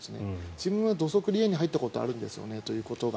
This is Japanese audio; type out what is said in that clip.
自分は土足で家に入ったことがあるんですよねということが。